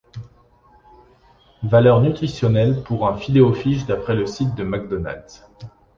Valeurs nutritionnelles pour un Filet-O-Fish d'après le site de McDonald's.